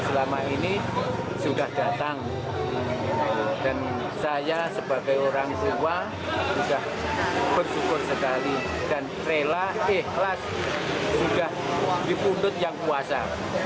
selama ini sudah datang dan saya sebagai orang tua sudah bersyukur sekali dan rela ikhlas sudah dituntut yang kuasa